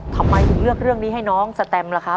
ทำไมถึงเลือกเรื่องนี้ให้น้องสแตมล่ะครับ